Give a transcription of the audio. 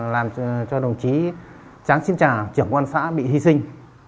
làm cho đồng chí tráng chiến trà trưởng quan xã bị hy sinh